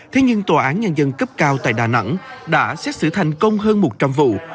thế nhưng tòa án nhân dân cấp cao tại đà nẵng đã xét xử thành công hơn một trăm linh vụ